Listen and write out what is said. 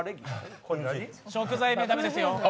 食材も駄目ですよ。